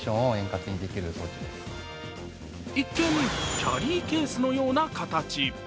一見キャリーケースのような形。